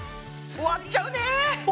終わっちゃう！